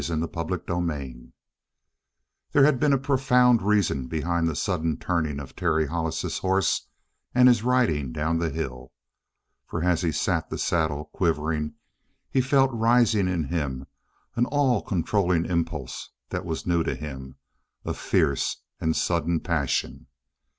CHAPTER 29 There had been a profound reason behind the sudden turning of Terry Hollis's horse and his riding down the hill. For as he sat the saddle, quivering, he felt rising in him an all controlling impulse that was new to him, a fierce and sudden passion.